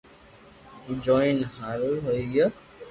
جوئين حآرون ھوئي گيو